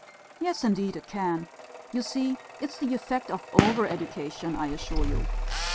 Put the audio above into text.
"Yes, indeed it can. You see, it's the effect of over education, I assure you.